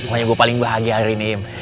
pokoknya gue paling bahagia hari ini